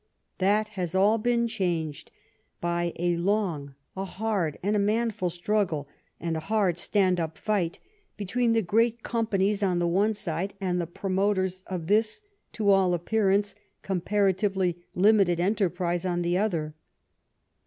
That has all been changed by a long, a hard, and a manful struggle, and a hard, stand up fight between the great com 82 THE STORY OF GLADSTONE'S LIFE panies on the one side and the promoters of this, to all appearance, comparatively limited enterprise on the other.